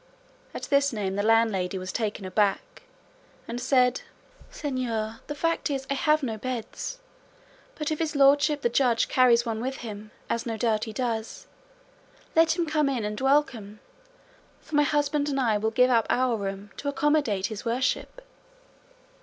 At this name the landlady was taken aback, and said, "Señor, the fact is I have no beds; but if his lordship the Judge carries one with him, as no doubt he does, let him come in and welcome; for my husband and I will give up our room to accommodate his worship."